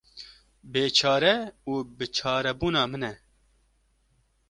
Bêçare û biçarebûna min e.